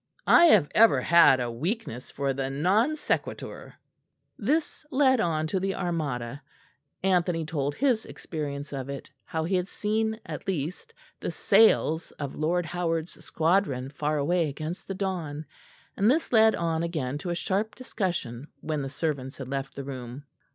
I have ever had a weakness for the non sequitur." This led on to the Armada; Anthony told his experience of it; how he had seen at least the sails of Lord Howard's squadron far away against the dawn; and this led on again to a sharp discussion when the servants had left the room.